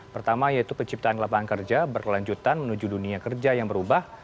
pertama yaitu penciptaan lapangan kerja berkelanjutan menuju dunia kerja yang berubah